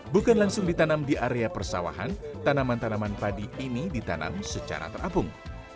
bukan langsung ditanam di area persawahan tanaman tanaman padi ini ditanam secara terapung